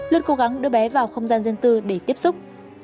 luôn cố gắng đưa bé vào không gian dân tư để tiếp xúc